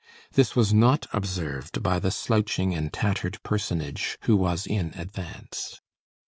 This was not observed by the slouching and tattered personage who was in advance.